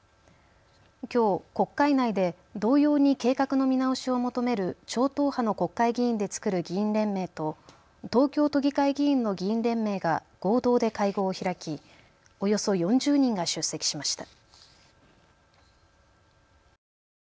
きょう国会内で同様に計画の見直しを求める超党派の国会議員で作る議員連盟と東京都議会議員の議員連盟が合同で会合を開きおよそ４０人が出席しました。